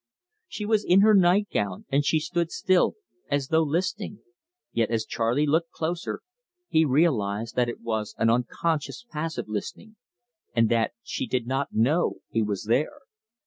She was in her night gown, and she stood still, as though listening; yet, as Charley looked closer, he realised that it was an unconscious, passive listening, and that she did not know he was there.